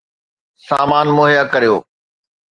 سامان مهيا ڪريو